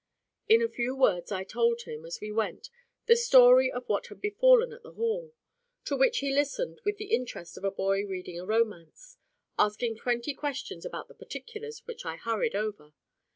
In a few words I told him, as we went, the story of what had befallen at the Hall, to which he listened with the interest of a boy reading a romance, asking twenty questions about the particulars which I hurried over.